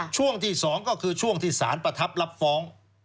ช่วงที่๒ก็คือช่วงที่สารประทับรับฟ้อง